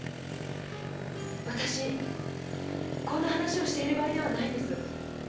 私こんな話をしている場合ではないんです！